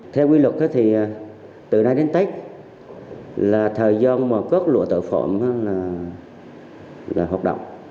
theo quy luật thì từ nay đến tết là thời gian mà cốt lụa tội phạm là hoạt động